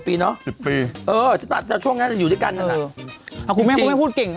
๑๐ปีเนอะช่วงนี้อยู่ด้วยกันน่ะจริงคุณแม่คุณแม่พูดเก่ง